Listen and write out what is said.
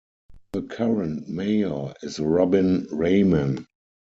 The current mayor is Robin Rayman.